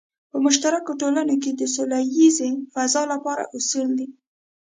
په مشترکو ټولنو کې د سوله ییزې فضا لپاره اصول دی.